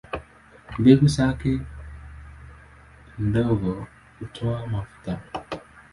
Mbegu zake ndogo hutoa mafuta.